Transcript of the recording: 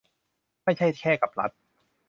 ไม่ใช่แค่กับรัฐ